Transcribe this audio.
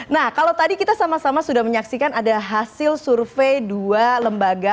nah kalau tadi kita sama sama sudah menyaksikan ada hasil survei dua lembaga